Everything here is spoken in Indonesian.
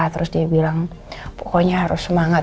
terus dia bilang pokoknya harus semangat